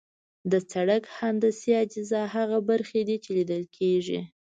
د سرک هندسي اجزا هغه برخې دي چې لیدل کیږي